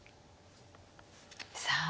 さあ。